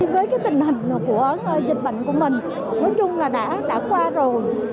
với tình hình của dịch bệnh của mình nói chung là đã qua rồi